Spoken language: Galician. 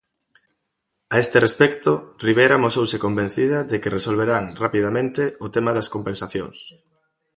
A este respecto, Ribera amosouse convencida de que resolverán "rapidamente" o tema das compensacións.